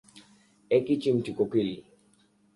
একই চিমটি, কোকিল।